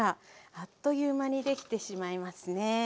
あっという間にできてしまいますね。